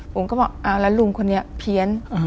ผมก็บอกเอาแล้วลุงคนนี้เพี้ยน